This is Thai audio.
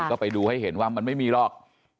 ก็ไปดูให้เห็นว่ามันไม่มีหรอก